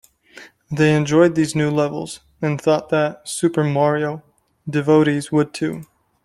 They enjoyed these new levels, and thought that "Super Mario" devotees would too.